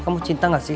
kamu cinta gak sih